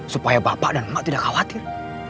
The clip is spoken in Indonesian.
supaya bapak dan emak tidak khawatir